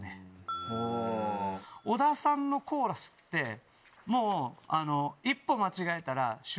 小田さんのコーラスってもう一歩間違えたら。